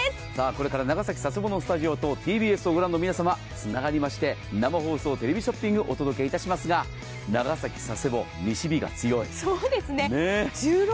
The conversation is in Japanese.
これから長崎・佐世保のスタジオとＴＢＳのスタジオつながりまして生放送テレビショッピングをお届けしますが、長崎・佐世保西日が強い。